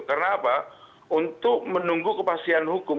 karena apa untuk menunggu kepastian hukum